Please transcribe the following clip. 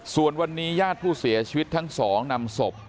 ส่วนวันนี้ญาติผู้เสียชีวิตทั้งสองนำศพ